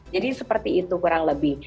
jadi seperti itu kurang lebih